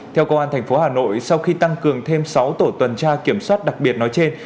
theo công an tp hà nội sau khi tăng cường thêm sáu tổ tuần tra kiểm soát đặc biệt nói trên